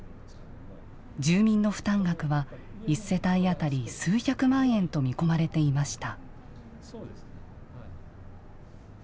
住民の負担額は１世帯当たり数百万円と見込まれていました。